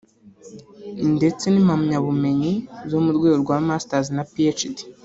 ndetse n’impamyabumenyi zo mu rwego rwa Masters na PhD